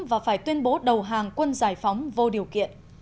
và phải tuyên bố đầu hàng quân giải phóng vô điều kiện